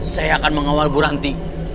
saya akan mengawal bu ranti